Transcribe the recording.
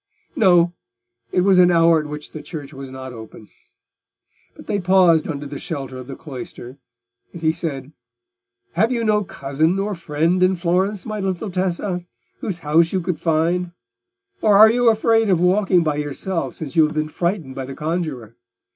No! it was an hour at which the church was not open; but they paused under the shelter of the cloister, and he said, "Have you no cousin or friend in Florence, my little Tessa, whose house you could find; or are you afraid of walking by yourself since you have been frightened by the conjuror?